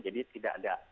jadi tidak ada